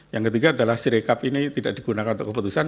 yang ketiga adalah sirekap ini tidak digunakan untuk keputusan